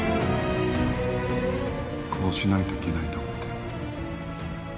こうしないといけないと思って。